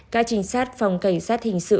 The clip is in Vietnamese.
các trinh sát phòng cảnh sát hình sự